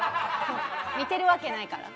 似てるわけないから。